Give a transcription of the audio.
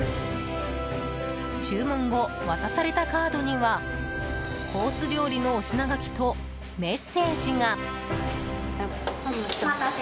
注文後、渡されたカードにはコース料理のお品書きとメッセージが。